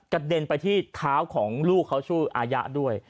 เด็นไปที่เท้าของลูกเขาชื่ออายะด้วย